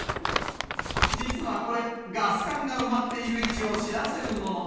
実はこれ、ガス管が埋まっている位置を知らせるもの。